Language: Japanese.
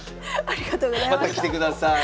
ありがとうございます。